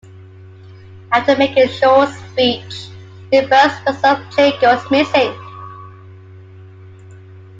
After making a short speech, Lindbergh's personal plane goes missing.